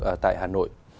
ở tại hà nội